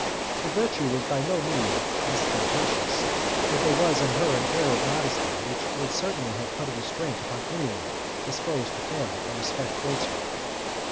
Her virtue was by no means ostentatious, but there was in her an air of modesty which would certainly have put a restraint upon anyone disposed to fail in respect towards her.